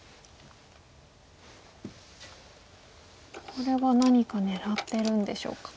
これは何か狙ってるんでしょうか。